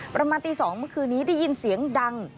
ประมาณตี๒เมื่อคืนนี้ได้ยินเสียงดัง